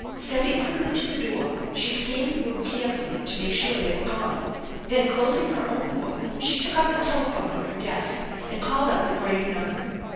Stepping quickly to the door she scanned the room carefully to make sure they were gone, then closing her own door she took up the telephone on her desk and called up the Graham number.